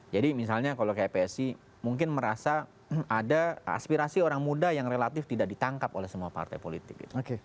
jadi misalnya kalau kayak psi mungkin merasa ada aspirasi orang muda yang relatif tidak ditangkap oleh semua partai politik gitu